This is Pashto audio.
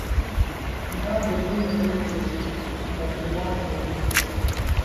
دا په درېیمې نړۍ کې برخلاف و.